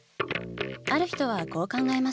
ある人はこう考えました。